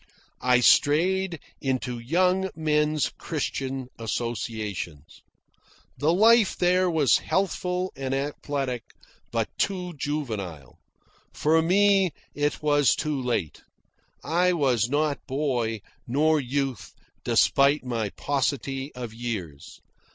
I strayed into Young Men's Christian Associations. The life there was healthful and athletic, but too juvenile. For me it was too late. I was not boy, nor youth, despite my paucity of years.